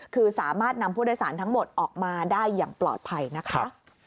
คือสามารถนำผู้โดยสารทั้งหมดออกมาได้อย่างปลอดภัยนะคะ